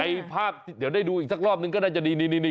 ภาพเดี๋ยวได้ดูอีกสักรอบนึงก็น่าจะดีนี่